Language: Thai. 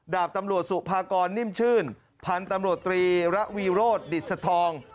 ดาบตำรวจสุภากรนิ่มชื่นพันธุ์ตำรวจตรีระวีโรธดิสทอง